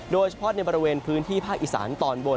โดยเฉพาะในบริเวณพื้นที่ภาคอีสานตอนบน